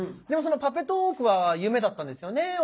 でもその「パペトーーク！」は夢だったんですよね？